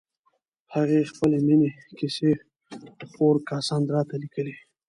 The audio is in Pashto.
هغې خپلې مینې کیسې خور کاساندرا ته لیکلې.